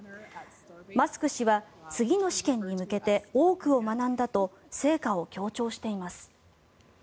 マスク氏は次の試験に向けて多くを学んだと成果を強調しています。